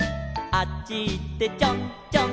「あっちいってちょんちょん」